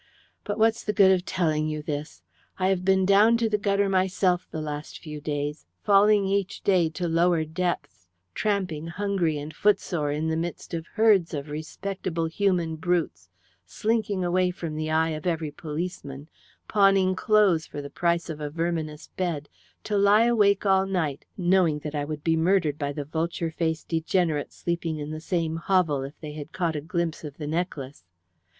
But what's the good of telling you this? I've been down to the gutter myself the last few days, falling each day to lower depths, tramping hungry and footsore in the midst of herds of respectable human brutes, slinking away from the eye of every policeman, pawning clothes for the price of a verminous bed, to lie awake all night knowing that I would be murdered by the vulture faced degenerates sleeping in the same hovel, if they had caught a glimpse of the necklace.